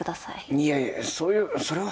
いやいやそういうそれは。